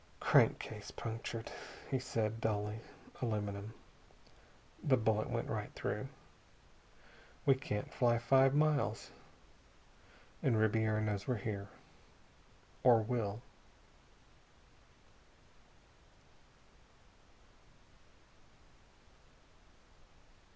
"Crankcase punctured," he said dully. "Aluminum. The bullet went right through. We can't fly five miles. And Ribiera knows we're here or will."